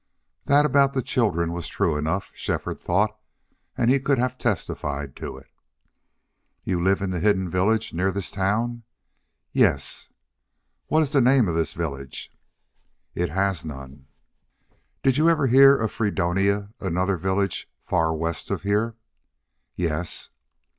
That about the children was true enough, Shefford thought, and he could have testified to it. "You live in the hidden village near this town?" "Yes." "What is the name of this village?" "It has none." "Did you ever hear of Fre donia, another village far west of here?" "Yes."